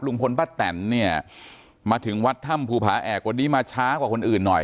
ป้าแตนเนี่ยมาถึงวัดถ้ำภูผาแอกวันนี้มาช้ากว่าคนอื่นหน่อย